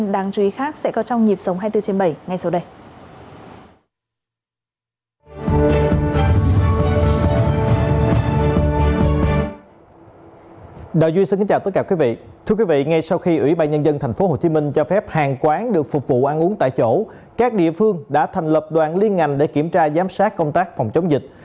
địa phương đã thành lập đoàn liên ngành để kiểm tra giám sát công tác phòng chống dịch